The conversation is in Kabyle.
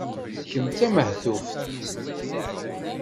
Kemm d tamehtuft.